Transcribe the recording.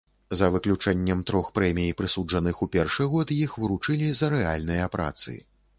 За выключэннем трох прэмій, прысуджаных у першы год, іх уручылі за рэальныя працы.